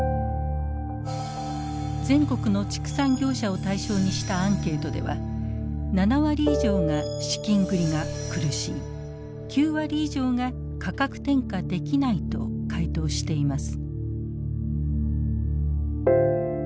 全国の畜産業者を対象にしたアンケートでは７割以上が資金繰りが苦しい９割以上が価格転嫁できないと回答しています。